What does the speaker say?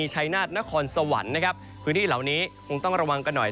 ชัยนาธนครสวรรค์นะครับพื้นที่เหล่านี้คงต้องระวังกันหน่อย